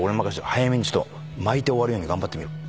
早めに巻いて終わるように頑張ってみよう